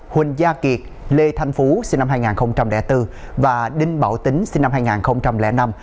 huỳnh gia kiệt lê thanh phú sinh năm hai nghìn bốn và đinh bảo tính sinh năm hai nghìn năm